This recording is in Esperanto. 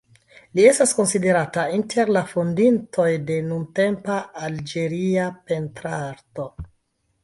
Li estas konsiderata inter la fondintoj de nuntempa Alĝeria pentrarto.